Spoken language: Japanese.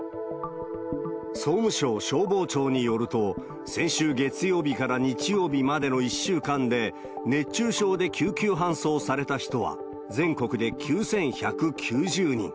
総務省消防庁によると、先週月曜日から日曜日までの１週間で、熱中症で救急搬送された人は全国で９１９０人。